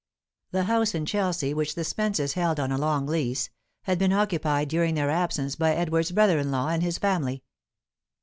The house in Chelsea, which the Spences held on a long lease, had been occupied during their absence by Edward's brother in law and his family.